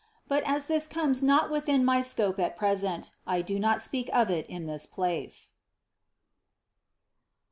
But as this comes not within my scope at present, I do not speak of it in this place.